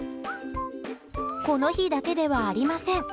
この日だけではありません。